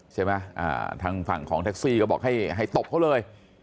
ทางฝั่งของแท็กซี่ก็บอกให้ตบเขาเลย